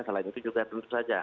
selain itu juga duduk saja